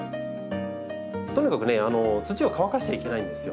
とにかくね土を乾かしちゃいけないんですよ。